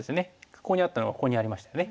ここにあったのがここにありましたね。